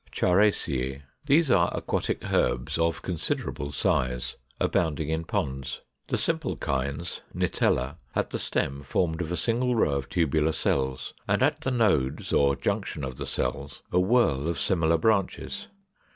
] 506. =Characeæ.= These are aquatic herbs, of considerable size, abounding in ponds. The simpler kinds (Nitella) have the stem formed of a single row of tubular cells, and at the nodes, or junction of the cells, a whorl of similar branches.